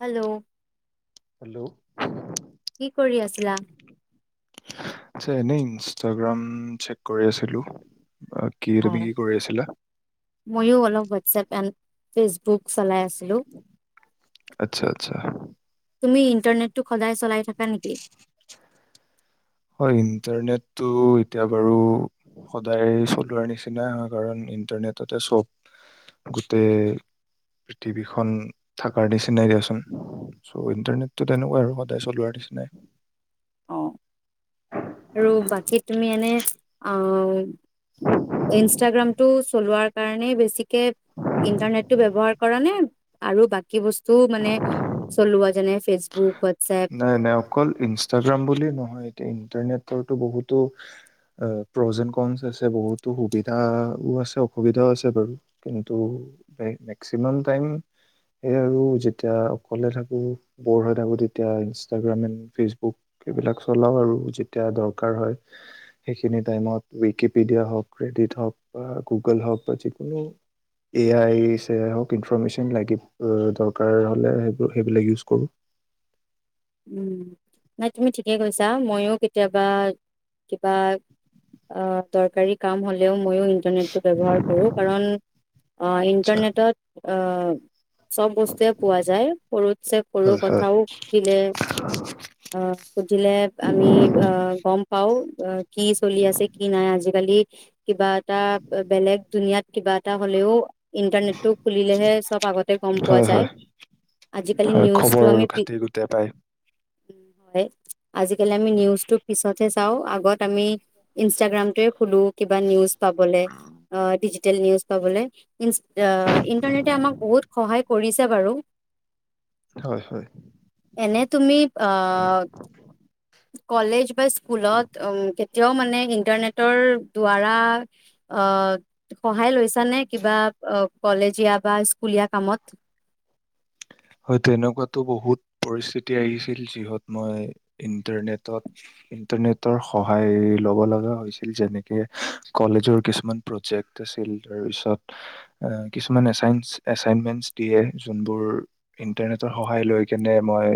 Hello hello কি কৰি আছিলা আছা এনে ইনষ্টাগ্ৰাম চেক কৰি আছিলো। আহ, কি তুমি অহ কি কৰি আছিলা ময়ো অলপ হোৱাটছাপ এণ্ড ফেচবুক চলাই আছিলো। আচ্ছা আচ্ছা তুমি ইনষ্টা ইণ্টাৰনেটতো সদায় চলাই থাকা নেকি? হয়, ইণ্টাৰনেটটো এতিয়া বাৰু সদায় চলোৱাৰ নিচিনাই হয়, কাৰণ ইণ্টাৰনেটতে চব গোটেই পৃথিৱীখন থকাৰ নিচিনাই দিয়াচোন চ' ইণ্টাৰনেটটো তেনেকুৱাই আৰু সদায় চলোৱাৰ নিচিনাই। অ'। আৰু বাকী তুমি এনে অ'। ইনষ্টাগ্ৰামটো চলোৱাৰ কাৰণেই বেছিক কে ইণ্টাৰনেটটো ব্যৱহাৰ কৰা নে? আৰু বাকী বস্তুও মানে চলোৱা যেনে ফেচবুক হোৱাটছএপ নাই, নাই অকল ইনষ্টাগ্ৰাম বুলি নহয়, এতিয়া ইন্টাৰনেট বহুতো আ, প্ৰজেন ক্ৰৌঞ্চ আছে বহুতো সুবিধাও আছে, অসুবিধাও আছে বাৰু কিন্তু মেক্সিমাম টাইম এয়া আৰু যেতিয়া অকলে থাকো ব'ৰ হৈ থাকোঁ তেতিয়া ইনষ্টাগ্ৰাম এন ফেচবুক এইবিলাক চলাওঁ আৰু যেতিয়া দৰকাৰ হয়, সেইখিনি টাইমত উইকিপিডিয়া হওঁক, ক্ৰেডিট হওঁক বা গুগল হওঁক বা যিকোনো এ আই চ আই হওঁক ইনফৰৰ্মেশ্যন লাগিব অ', দৰকাৰ হ'লে, সেইব সেইবিলাক ইউজ কৰোঁ। উম, নাই তুমি ঠিকে কৈছা ময়ো কেতিয়াবা কিবা অ', দৰকাৰী কাম হ'লেও ময়ো ইণ্টাৰনেটটো ব্যৱহাৰ কৰো কাৰণ অ', আচ্ছা ইণ্টাৰনেটত‌ অ' [unintelligible] চব বস্তুয়ে পোৱা যায় সৰুত চে সৰু হয় হয় কথাও সুধিলে অ', সুধিলে আমি আহ, গম পাওঁ। [unintelligible] কি চলি আছে, কি নাই আজিকালি কিবা এটা বেলেগ দুুনিয়াত কিবা এটা হ'লেও ইণ্টাৰনেটটো খুলিলেহে চব আগতে গম পোৱা হয় যায়, হয় আজিকালি হয় নিউজটো খবৰ আমি খাতি গোটেই পায় [unintelligible] আজিকালি আমি নিউজটো পিছতহে চাও আগত আমি ইনষ্টাগ্ৰামটোয়ে খোলো। কিবা নিউজ পাবলে অ', [unintelligible] নিউজ পাবলৈ ইনচ আ, ইন্টাৰনেটে আমাক বহুত সহায় কৰিছে বাৰু। হয়, হয়। [unintelligible] অ' কলেজ বা স্কুলত কেতিয়াও মানে ইন্টাৰনেটৰ দ্বাৰা আ, সহায় লৈছানে কিবা কলেজীয়া বা স্কুলীয়া কামত? হয়তটো এনেকুৱাতো বহুত পৰিস্থিতি আহিছিল যিহত মই ইণ্টাৰনেটত ইটাৰনেটৰ সহায় ল'ব লগা হৈছিল যেনেকে কলেজৰ কিছুমান প্ৰজেক্ট আছিল তাৰপিছত আ, কিছুমান এচাইনচ এচাইনমেন্টচ দিয়ে যোনবোৰ ইণ্টাৰনেটৰ সহায় লৈ কেনে মই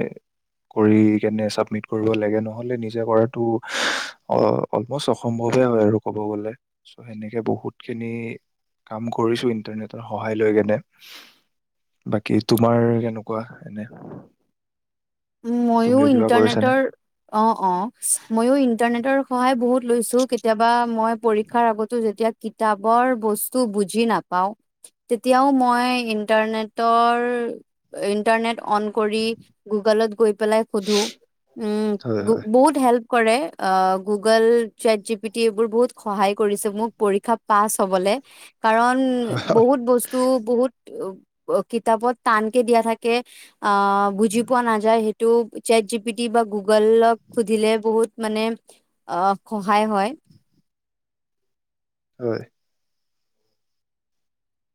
কৰি কেনে চাবমিট কৰিব লাগে নহ'লে নিজে কৰাতটো অ', অলমষ্ট অসম্ভৱে হয়, আৰু কব গ'লে চ' সেনেকে বহুত খিনি কাম কৰিছো ইণ্টাৰনেটৰ সহায় লৈ কেনে বাকী তোমাৰ এনেকুৱা এনে ময়ো তুমিও কিবা কৰিছানে? ইণ্টাৰনেটৰ অ', অ', ময়ো ইণ্টাৰনেটৰ সহায় বহুত লৈছো কেতিয়াবা মই পৰীক্ষাৰ আগতো যেতিয়া কিতাপৰ বস্তু বুজি নাপাওঁ তেতিয়াও মই ইণ্টাৰনেটৰ ইণ্টাৰনেট অন কৰি গো গুগলত গৈ পেলাই সোধোঁ উম, হয় হয় বহুত হেল্প কৰে অ', গুগল চেত জিপিটি এইবোৰ বহুত সহায় কৰি মোক পৰীক্ষা পাছ হ'বলে। কাৰণ হয় বহুত বস্তু বহুত। কিতাপত টানকে দিয়া থাকে অ', বুজি নাযায় হেইটো ছেট যি পি টি বা গুগলক সুধিলে বহুত মানে আ, সহায় হয়। হয়।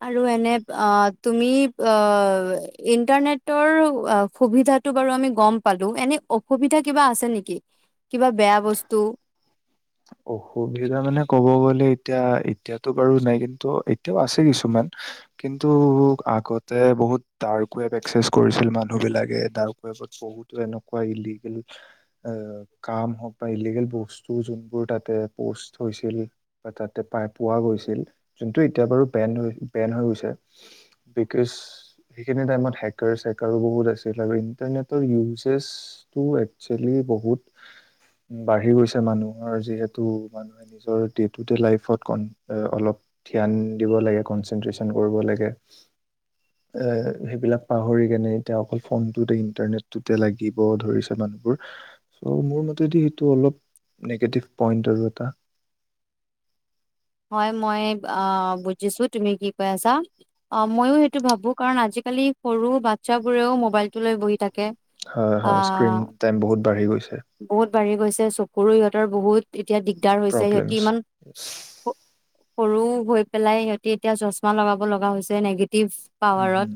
আৰু এনে আ, তুমি আ, ইন্টাৰনেটৰ সুবিধাটো বাৰু আমি গম পালো এনে অসুবিধা কিবা আছে নেকি? কিবা বেয়া বস্তু? অসুবিধা মানে ক'ব গ'লে এতিয়া এতিয়াতটো বাৰু নাই কিন্তু এতিয়াও আছে কিছুমান কিন্তু আগতে বহুত ডাৰ্ক ৱেব একচেছ কৰিছিল মানুহ বিলাকে ডাৰ্ক ৱেবত বহুতো এনেকুৱা ইলিগেল আ, কাম হওঁক বা ইলিগেল বস্তু যোন বোৰ তাতে পষ্ট হৈছিল বা তাতে পাই পোৱা গৈছিল যোনটো এতিয়া বাৰু বেন হৈ বেন হৈ গৈছে। বিকজ সেইখিনি টাইমত হেকাৰছ চেকাৰো বহুত আছিল আৰু ইণ্টাৰনেটৰ ইউজেজটো একচুৱেলি বহুত বাঢ়ি গৈছে মানুহ হৰ যিহেতু মানুহে নিজৰ ডেতোডে লাইফত অলপ ধ্যান দিব লাগে কনচেনট্ৰচন কৰিব লাগে। এ, সেইবিলাক পাহৰি কেনে এতিয়া অকল ফোনটোতে ইন্টাৰনেটটোতে লাগিব ধৰিছে মানুহবোৰ। চ' মোৰ মতেদি সেইটো অলপ নিগেটিভ পইন্ট আৰু এটা। হয়, মই আ, বুজিছো তুমি কি কৈ আছা অ', মইয়ো সেইটো ভাবো কাৰণ আজিকালি সৰু বাচ্ছাবোৰেও মোবাইলটো লৈ বহি থাক হয়, হয় স্ক্ৰিন টাইম বহুত বাঢ়ি গৈছে বহুত বাঢ়ি গৈছে। চকুৰো ইহঁতৰ বহুত এতিয়া দিগদাৰ হৈছে, সিহঁতি প্ৰব্লেমছ ইমান সৰু হৈ পেলাই সিহঁতি এতিয়া চচমা লগাব লগা হৈছে নেগ ভ উম, পাৱাৰত। হুম,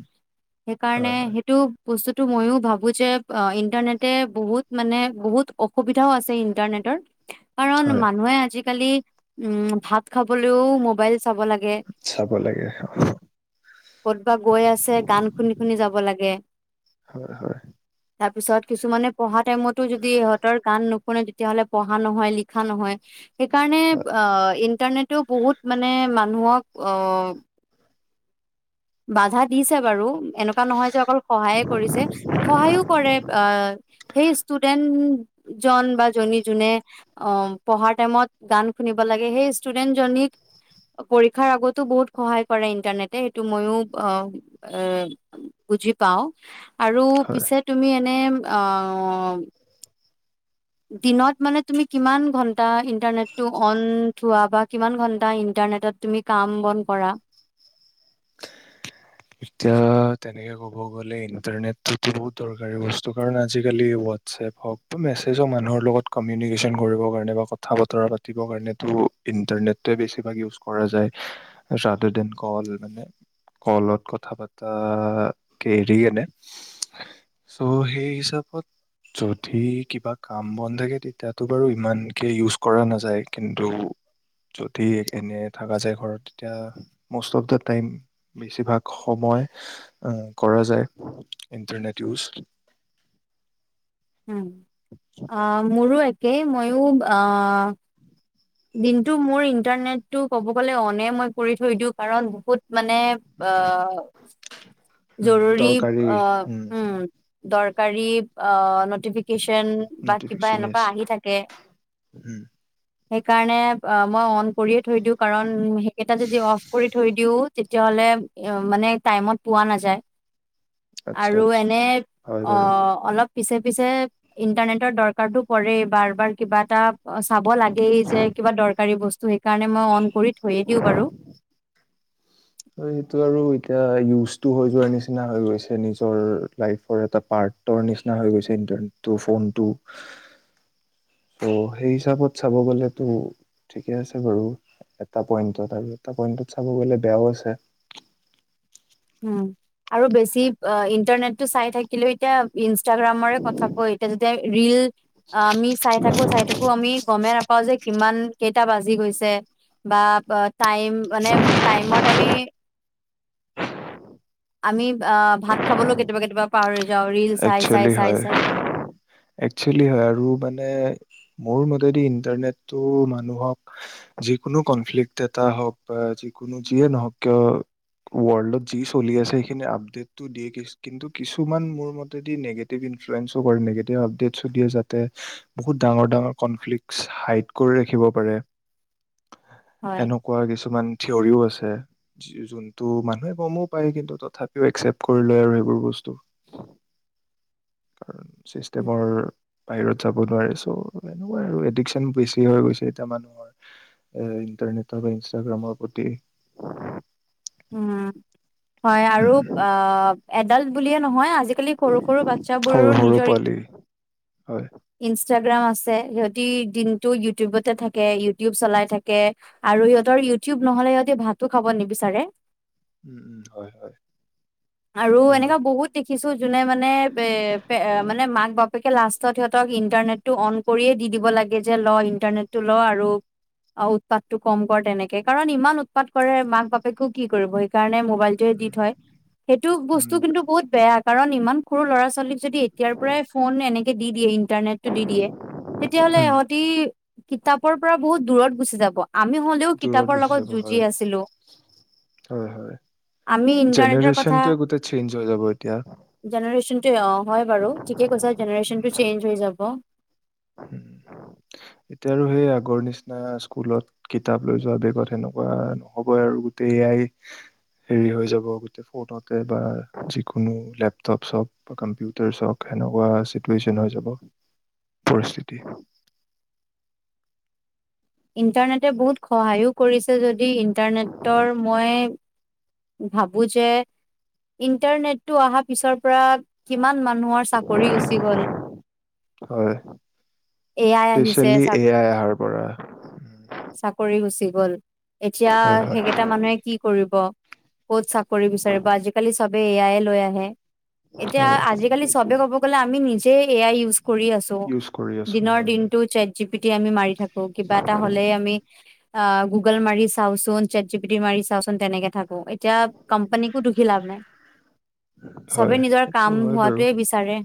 হেকাৰণে হয় হয় হেটো বস্তুটো মইয়ো ভাবো যে, আ, ইন্টাৰনেটে বহুত মানে বহুত অসুবিধাও আছে ইণ্টাৰনেটৰ। কাৰণ হয় মানুহে আজিক আজিকালি উম, ভাত খাবলৈও মোবাইল চাব লাগে, চাব লাগে হয় ক'তবা গৈ আছে গান শুনি, শুনি যাব লাগে হয় হয় [unintelligible] পিছত কিছুমানে পঢ়া টাইমত টো যদি ইহঁতৰ গান নুশুনে তেতিয়াহ'লে পঢ়া নহয়, লিখা নহয়। সেইকাৰণে অ', ইণ্টাৰনেটও বহুত মানে ন' অহ। বাধা দিছে। বাৰু এনেকুৱা নহয় যে অকল সহায়ে কৰিছে সহায়ো কৰে, সেই ষ্টুডেন্ড জন বা জনী যোনে অ', পঢ়াৰ টাইমত গান শুনিব লাগে সেই ষ্টুডেন্ট জনীক পৰীক্ষাৰ আগতো বহুত সহায় কৰে ইন্টাৰনেটে। টো ময়ো অ', এ বুজি পাওঁ। আৰু হয় পিছে তুমি এনে অ। দিনত মানে তুমি কিমান ঘন্টা ইন্টাৰনেটটো অন থোৱা বা কিমান ঘন্টা ইন্টাৰনেটত তুমি কাম বন কৰা? এতিয়া তেনেকে ক'ব গলে ইণ্টাৰনেটটো বহুত দৰকাৰী বস্তু কাৰণ, আজিকালি হোৱাটছএপ হওক বা মেছেজ হক মানুহৰ লগত কমিউনিকেশ্যন কৰিব কাৰণে বা কথা বতৰা পাতিবৰ কাৰণেটো ইণ্টাৰনেটোৱে বেছিভাগ ইউজ কৰা যায় ৰাডাৰ দেন কল। মানে কলত কথা পাতাকে এৰি আনে চ' সেই হিচাপত যদি কিবা কাম বন থাকে তেতিয়াতটো বাৰু ইমানকে ইউজ কৰা নাযায় কিন্তু যদি এনে থকা যায় ঘৰত তেতিয়া মষ্ট অফ দা টাইম বেছিভাগ সময় কৰা যায় ইন্টাৰনেট ইউজ। উম অ মোৰো একে কে মইয়ো আ দিনটো মোৰ ইন্টাৰনেটটো ক'ব গ'লে অনে মই কৰি থৈ দিওঁ, কাৰণ বহুত মানে আ জৰুৰী দৰকাৰী অ উম দৰকাৰী অ নটিফিকেশ্বন বা কিবা নটিফিকেশন ইজ এনেকুৱা আহি থাকে সেইকাৰণে অ মই অন কৰি থৈ দিওঁ কাৰণ সেইকেইটা যদি অফ কৰি থৈ দিওঁ, তেতিয়াহ'লে অ', মানে টাইমত পোৱা নাযায়। আচ্ছা আৰু আচ্ছা এনে হয় বাৰু অ', অলপ পিছে, পিছে ইণ্টাৰনেটৰ দৰকাৰটো পৰে বাৰ, বাৰ কিবা এটা অ', চাব লাগেই যে কিবা দৰকাৰী বস্তু সেইকাৰণে মই অন কৰি থৈয়ে দিওঁ বাৰু। সেইটো আৰু এতিয়া ইউজটো হৈ যোৱাৰ নিচিনা হৈ গৈছে নিজৰ লাইফৰ এটা পাৰ্টৰ নিচিনা হৈ গৈছে ইন্টাৰনেটো, ফোনটো। সেই হিচাপত চাব গ'লেতো ঠিকে আছে বাৰু এটা পইন্টত আৰু এটা পইণ্টত চাব গলে বেয়াও আছে [unintelligible] [inaudible] উম, আৰু বেছি আ ইণ্টাৰনেটটো চাই থাকিলেও এতিয়া ইনষ্টাগ্ৰামৰে কথা কয় এতিয়া যেতিয়া ৰীল অ', আমি চাই থাকো, চাই থাকো আমি গমেই নাপাও যে কিমান কেইটা বাজি গৈছে বা টাইম মানে টাইমত আমি আমি আ ভাত খাবলৈও কেতিয়াবা, কেতিয়াবা পাহৰি যাওঁ ৰীল চাই চাই একচেলি চাই হয়, চাই একচেলি হয় আৰু মানে মোৰ মতেদি ইণ্টাৰনেটটো মানুহক যিকোনো কনফ্লিকট এটা হওঁক বা যিকোনো যিয়ে নহওঁক কিয় ৱৰ্ল্ডত যি চলি আছে সেইখিনি আপডেটটো দিয়ে কিন্তু কিছুমান মোৰ মত যদি নিগেটিভ ইনফ্লুৱেঞ্চো কৰে নিগেটিভ আপডেটছো দিয়ে যাতে বহুত ডাঙৰ, ডাঙৰ কনফ্লিক্টচ হাইড কৰি ৰাখিব পাৰে। হয়। এনেকুৱা কিছুমান থিয়ৰিও আছে যোনটো মানুহে গমো পায় কিন্তু তথাপিও একচেপট কৰি লয় আৰু সেইবোৰ বস্তু। [inaudible] উম, ছিষ্টেমৰ বাহিৰত যাব নোৱাৰে চ' এনেকুৱাই আৰু এডিকচন বেছি হৈ গৈছে এতিয়া মানুহৰ এ ইণ্টাৰনেটৰ বা ইনষ্টাগ্ৰামৰ প্ৰতি। উম। হয়, আৰু অ এডাল্ট বুলিয়ে নহয় আজি লি সৰু সৰু বাটচ্ছা সৰু বোৰৰো সৰু নিজৰ ইন-ইনষ্ট পোৱালি হয় ইনষ্টাগ্ৰাম আছে সিহঁতি দিনটো ইউটিউবতে থাকে, ইউটিউব চলাই থাকে আৰু সিহঁতৰ ইউটিউব ন'হলে সিহঁতি ভাতো খাব নিবিচাৰে। উম, উম, হয়, হয় সেইটো হয়। কিছু যোনে মানে বে-বে মানে মাক বাপ বাপেকে লাষ্টত সিহঁতক ইন্টাৰনেটো অন কৰিয়ে দি দিব লাগে যে ল ইণ্টাৰনেট টো ল, আৰু উৎপাত টো কম কৰ। তেনেকে কাৰণ ইমান উৎপাত কৰে মাক বাপেকো কি কৰিব সেইকাৰণে মো বাইলটোৱে দি থয়। সেইটো বস্তু উম কিন্তু বহুত বেয়া কাৰণ ইমান সৰু ল'ৰা ছোৱালীক যদি এতিয়াৰ পৰাই ফোন এনেকে দি দিয়ে ই ইন্টাৰনেটটো দি দিয়ে তেতিয়াহ'লে উম ইহতি কিতাপৰ পৰা বহুত দূৰত গুচি যাব। আমি হলেও দূৰত কিতাপৰ গুচি লগত যাব যুঁজি হয় আছিলো। হয় হয় আমি ইন্টাৰনেটৰ কথা জেনেৰেশ্যনটোৱে গোটেই চেঞ্জ হৈ যাব এতিয়া জেনেৰেচনটো অ হয় বাৰু ঠিকে কৈছা জেনেৰেশচনটো চেঞ্জ হৈ যাব এতিয়া আৰু সেই আগৰ নিচিনা স্কুলত কিতাপ লৈ যোৱা বেগত সেনেকুৱা নহ'বই আৰু গোটেই এয়াই হেৰি হৈ যাব গোটেই ফোনতে বা যিকোনো লেপটপ চওক বা কম্পিউটাৰ চওক সেনেকুৱা চিটুৱেশ্যন হৈ যাব পৰিস্থিতি ইণ্টাৰনেটে বহুত সহায়ো কৰিছে যদি যদি ইণ্টাৰনেটৰ মই ভাবো যে ইন্টাৰনেটটো অহা পিছৰ পৰা কিমান মানুহৰ চাকৰি গুচি গল হয় এয়াই আহিছে স্পেচিয়েলি চ এ আই অহাৰ পৰা চাকৰি গুচি গ গল এতিয়া হয় হয় সেইকেইটা মানুহে কি কৰিব ক'ত চাকৰি বিচাৰিব বা আজিকালি চ ব এয়াইে লৈ আহে এতিয়া হয় আজিকালি চবে ক'ব গ'লে আমি নিজ যে এ আই ইউজ কৰি আছো ইউজ কৰি আছো দিনৰ হয় হয় দিনতটো চট জিপিটি আমি মাৰি থাকো কিবা এটা হলে আমি অ গুগল মাৰি চাওচোন চেট জি পিটি মাৰি চাওচোন তেনেকে থাক অ এতিয়া কোম্পানীিকো দুখী লাভ নাই চবে হয় নিজৰ সেইটো কাম হয় বাৰু হোৱাটোৱে বিচাৰে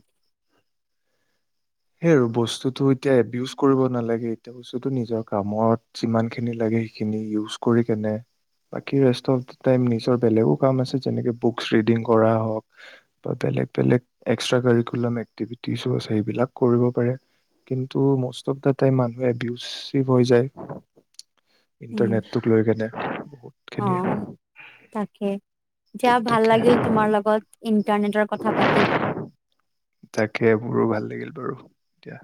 সেই আৰু বস্তুতটো এতিয়া এউজ কৰিব নালাগে এতিয়া বস্তুটো নিজৰ কামত যিমানখিনি লাগে সেইখিনি ইউজ কৰি কেনে বাকী ৰেষ্ট অফ দ টাই নিজৰ বেলেগো কাম আছে যেনেকে বুক ৰিডিং কৰা হওঁক বা বেলেগ বেলেগ এক্সট্ৰািকুলাম এক্টিভিটিছো আছে সবিলাক কৰিব পাৰে কিন্তু মষ্ট অফ দা টাইম মানুহ এবিচিভ হৈ যায় উম, ইণ্টাৰনেটটোক লৈ কেনে বহুত খিনিয়ে অ', তাকে দিয়া ভাল তাকে লাগিল তোমাৰ লগত ইন্টাৰনেটৰ কথা পাতি। তাকে মোৰো ভাল লাগিল বাৰু এতিয়া